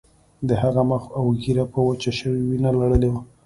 د هغه مخ او ږیره په وچه شوې وینه لړلي وو